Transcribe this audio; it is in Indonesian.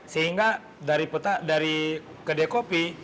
sehingga dari kedai kopi